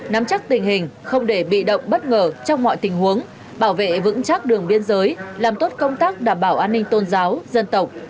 nắm chắc tình hình không để bị động bất ngờ trong mọi tình huống bảo vệ vững chắc đường biên giới làm tốt công tác đảm bảo an ninh tôn giáo dân tộc